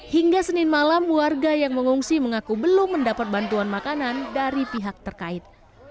hingga senin malam warga yang mengungsi mengaku belum mendapat bantuan makanan dari pihak terkait